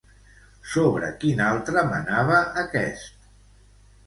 Sobre quin altre manava aquest?